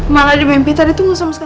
malah di mimpi tadi itu gak sama sekali